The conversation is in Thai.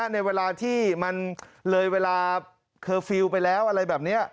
ในเวลาที่มันเลยเวลาเคอร์ฟิลล์ไปแล้วอะไรแบบนี้